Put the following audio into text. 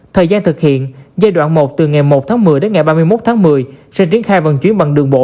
thời gian thực hiện giai đoạn một từ ngày một tháng một mươi đến ngày ba mươi một tháng một mươi sẽ triển khai vận chuyển bằng đường bộ